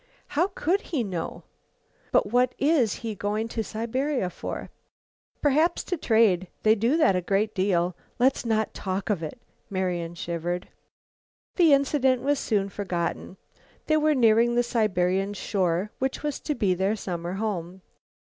"How could he know?" "But what is he going to Siberia for?" "Perhaps to trade. They do that a great deal. Let's not talk of it." Marian shivered. The incident was soon forgotten. They were nearing the Siberian shore which was to be their summer home.